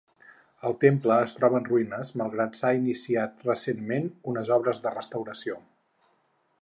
El temple es troba en ruïnes malgrat que s'han iniciat recentment unes obres de restauració.